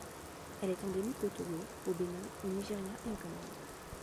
Elle est endémique au Togo, au Bénin, au Nigeria et au Cameroun.